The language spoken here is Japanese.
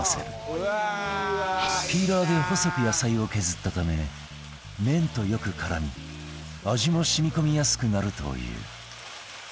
ピーラーで細く野菜を削ったため麺とよく絡み味も染み込みやすくなるという